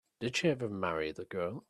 Did she ever marry the girl?